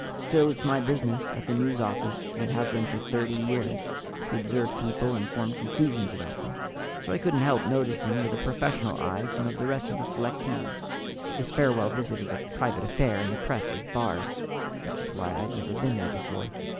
Still, it's my business at the News Office, and has been for 30 years, to observe people and form conclusions about them, so I couldn't help noticing with a professional eye some of the rest of the selectees. (This farewell visit is a private affair, and the press is barred, which is why I'd never been there before.)